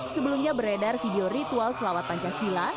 sebelumnya beredar video ritual selawat pancasila